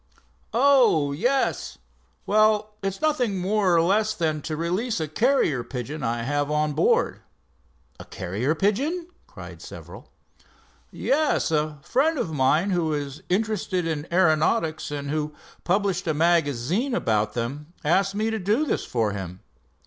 "Oh, yes. Well, it's nothing more or less than to release a carrier pigeon I have on board." "A carrier pigeon?" cried several. "Yes, a friend of mine, who is interested in aeronautics, and who published a magazine about them, asked me to do this for him.